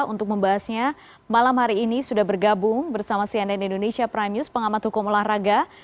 untuk membahasnya malam hari ini sudah bergabung bersama cnn indonesia prime news pengamat hukum olahraga